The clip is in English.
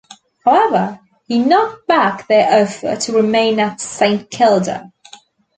However, he knocked back their offer to remain at Saint Kilda.